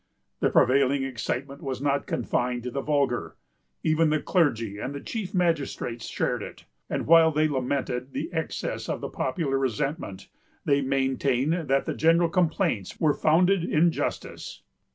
The prevailing excitement was not confined to the vulgar. Even the clergy and the chief magistrates shared it; and while they lamented the excess of the popular resentment, they maintained that the general complaints were founded in justice.